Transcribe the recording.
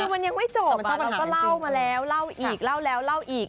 คือมันยังไม่จบแล้วมันก็เล่ามาแล้วเล่าอีกเล่าแล้วเล่าอีก